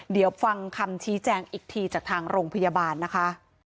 เดี๋ยวฟังคำชี้แจงอีกทีจากทางโรงพยาบาลนะคะ